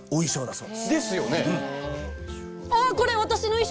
そう。